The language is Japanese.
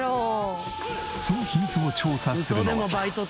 その秘密を調査するのは。